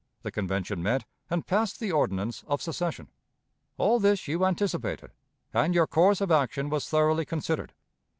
The Convention met and passed the ordinance of secession. All this you anticipated, and your course of action was thoroughly considered.